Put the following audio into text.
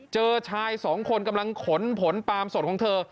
เจอชายสองคนกำลังขนผลปาล์มสดของเธอ